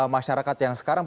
masyarakat yang sekarang